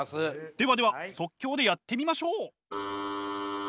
ではでは即興でやってみましょう！